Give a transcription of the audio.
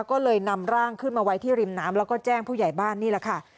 ก็เลยนำร่างขึ้นมาไว้ที่ริมน้ำแล้วก็แจ้งผู้ใหญ่บ้านนี่แหละค่ะ